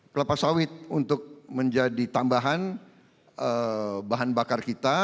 kelapa sawit untuk menjadi tambahan bahan bakar kita